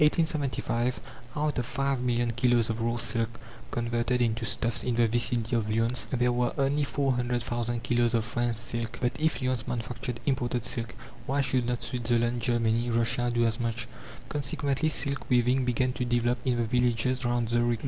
In 1875, out of five million kilos of raw silk converted into stuffs in the vicinity of Lyons, there were only four hundred thousand kilos of French silk. But if Lyons manufactured imported silk, why should not Switzerland, Germany, Russia, do as much? Consequently, silk weaving began to develop in the villages round Zurich.